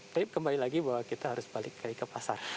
tapi kembali lagi bahwa kita harus balik ke pasar